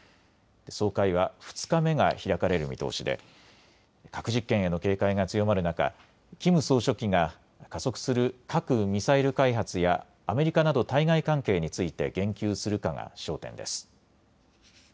総会は２日目が開かれる見通しで核実験への警戒が強まる中、キム総書記が加速する核・ミサイル開発やアメリカなど対外関係について言及するかが焦点です。